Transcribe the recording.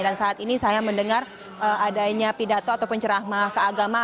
dan saat ini saya mendengar adanya pidato ataupun ceramah keagama